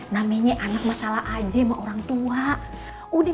nomenya sana masalah guruan tua minta maaf